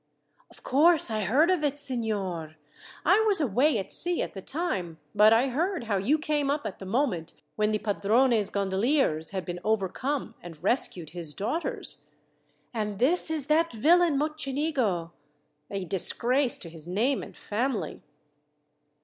"Of course I heard of it, signor. I was away at sea at the time, but I heard how you came up at the moment when the padrone's gondoliers had been overcome, and rescued his daughters. And this is that villain Mocenigo, a disgrace to his name and family!"